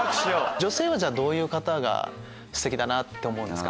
女性はじゃあどういう方がすてきだなって思うんですか？